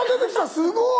すごい！